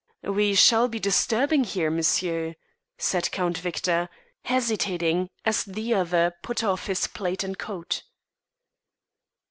"We shall be disturbed here, monsieur," said Count Victor, hesitating as the other put off his plaid and coat.